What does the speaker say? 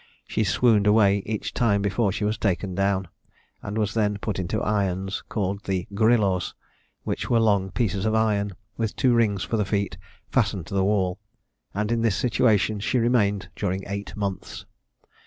She swooned away each time before she was taken down, and was then put into irons, called the "grillos," which were long pieces of iron, with two rings for the feet, fastened to the wall, and in this situation she remained during eight months.